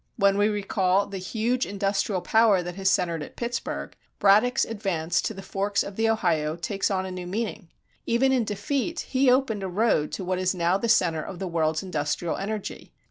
When we recall the huge industrial power that has centered at Pittsburgh, Braddock's advance to the forks of the Ohio takes on new meaning. Even in defeat, he opened a road to what is now the center of the world's industrial energy.